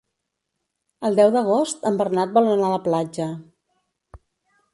El deu d'agost en Bernat vol anar a la platja.